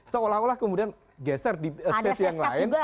seolah olah kemudian geser di space yang lain